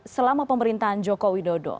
selama pemerintahan joko widodo